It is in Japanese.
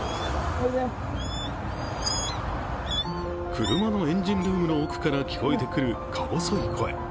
車のエンジンルームの奥から聞こえてくる、か細い声。